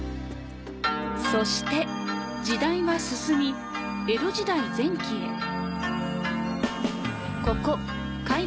そして時代は進み江戸時代前期へ。